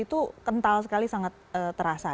itu kental sekali sangat terasa